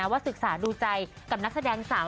ว่าศึกษาดูใจกับนักแสดงสาว